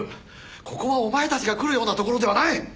ここはお前たちが来るような所ではない！